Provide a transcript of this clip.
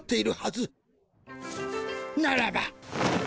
ならば。